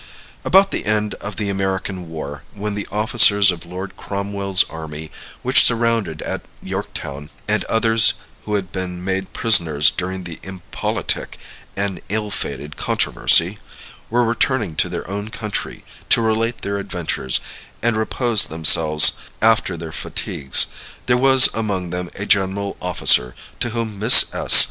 About the end of the American War, when the officers of Lord Cromwell's army, which surrendered at Yorktown, and others who had been made prisoners during the impolitic and ill fated controversy, were returning to their own country, to relate their adventures, and repose themselves after their fatigues, there was among them a general officer, to whom Miss S.